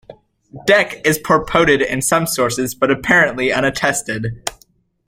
Dek is purported in some sources but apparently unattested.